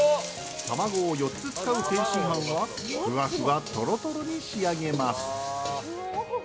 卵を４つ使う天津飯はふわふわトロトロに仕上げます。